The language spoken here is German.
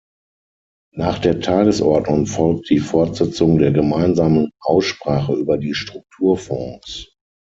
Nach der Tagesordnung folgt die Fortsetzung der gemeinsamen Aussprache über die Strukturfonds.